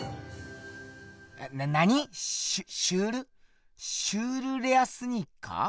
な何⁉シュシュールシュールレアスニーカー？